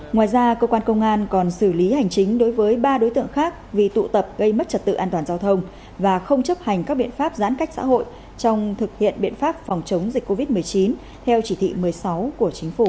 ngoài ra cơ quan công an còn xử lý hành chính đối với ba đối tượng khác vì tụ tập gây mất trật tự an toàn giao thông và không chấp hành các biện pháp giãn cách xã hội trong thực hiện biện pháp phòng chống dịch covid một mươi chín theo chỉ thị một mươi sáu của chính phủ